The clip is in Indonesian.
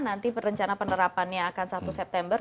nanti rencana penerapannya akan satu september